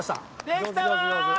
できたわ！